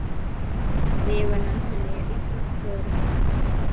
reba nanone luka kor